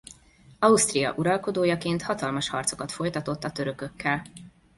Ausztria uralkodójaként hatalmas harcokat folytatott a törökökkel.